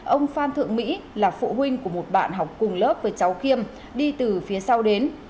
ông phan thượng mỹ là phụ huynh của một bạn học cùng lớp với cháu khiêm đi từ phía sau đến